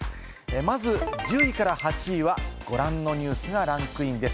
まず１０位から８位はご覧のニュースがランクインです。